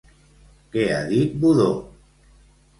Què ha dit Budó?